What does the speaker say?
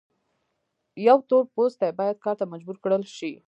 یو تور پوستی باید کار ته مجبور کړل شي.